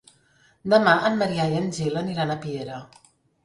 Demà en Maria i en Gil aniran a Piera.